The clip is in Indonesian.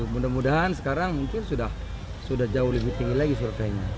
mudah mudahan sekarang mungkin sudah jauh lebih tinggi lagi surveinya